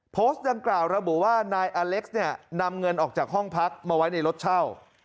โพสต์ดังกล่าวระบุว่านายอเล็กซ์เนี่ยนำเงินออกจากห้องพักมาไว้ในรถเช่า